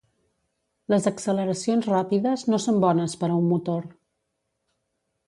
Les acceleracions ràpides no són bones per a un motor.